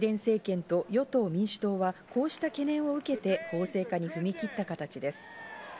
バイデン政権と与党・民主党はこうした懸念を受けて法制化に踏み切った形です。